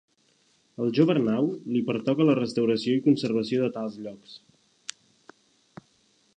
Al jove Arnau, li pertoca la restauració i conservació de tals llocs.